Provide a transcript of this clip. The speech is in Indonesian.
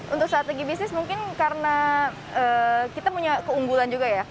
untuk strategi bisnis mungkin karena kita punya keunggulan juga ya